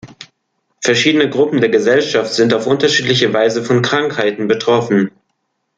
Verschiedene Gruppen der Gesellschaft sind auf unterschiedliche Weise von Krankheiten betroffen.